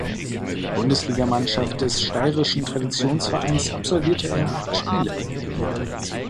Für die Bundesligamannschaft des steirischen Traditionsvereins absolvierte er acht Spiele.